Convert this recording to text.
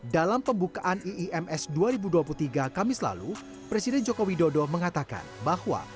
dalam pembukaan iims dua ribu dua puluh tiga kamis lalu presiden joko widodo mengatakan bahwa